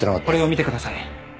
これを見てください。